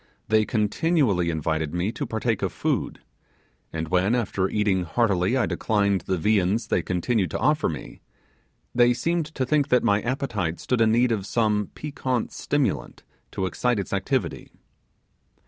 They continually invited me to partake of food, and when after eating heartily I declined the viands they continued to offer me, they seemed to think that my appetite stood in need of some piquant stimulant to excite its activity.